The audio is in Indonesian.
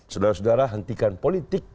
sudara sudara hentikan politik